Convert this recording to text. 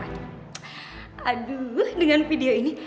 taduh dengan video ini